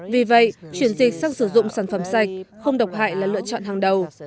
vì vậy chuyển dịch sang sử dụng sản phẩm sạch không độc hại là lựa chọn hàng đầu